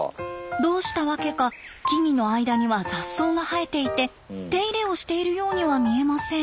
どうしたわけか木々の間には雑草が生えていて手入れをしているようには見えません。